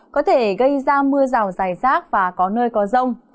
có thể gây ra mưa rào dài rác và có nơi có rông